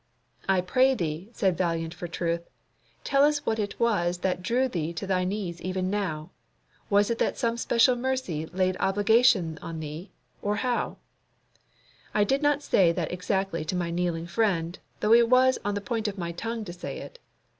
"I pray thee," said Valiant for truth, "tell us what it was that drew thee to thy knees even now. Was it that some special mercy laid its obligations on thee, or how?" I did not say that exactly to my kneeling friend, though it was on the point of my tongue to say it.